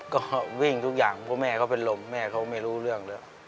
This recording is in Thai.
ก็วิ่งทุกอย่างเพราะแม่เขาเป็นลมแม่เขาไม่รู้เรื่องแล้ว